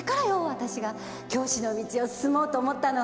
私が教師の道を進もうと思ったのは。